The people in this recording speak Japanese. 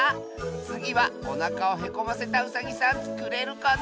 つぎはおなかをへこませたウサギさんつくれるかな？